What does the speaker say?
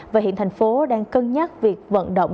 và hiện thành phố đang cân nhắc việc vận động